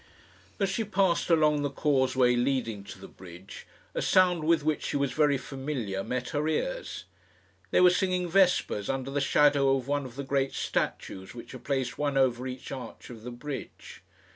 As she passed along the causeway leading to the bridge, a sound with which she was very familiar met her ears. They were singing vespers under the shadow of one of the great statues which are placed one over each arch of the bridge.